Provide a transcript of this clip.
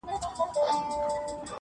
له توبې دي په هغه ګړي معذور سم-